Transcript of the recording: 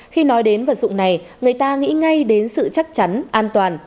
khi nói đến vật dụng này người ta nghĩ ngay đến sự chắc chắn an toàn